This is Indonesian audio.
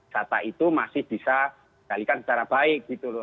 data itu masih bisa galikan secara baik gitu loh